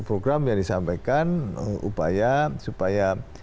program yang disampaikan upaya supaya